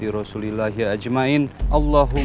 aku selalu jauh jauh